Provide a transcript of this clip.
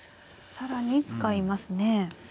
更に使いますね。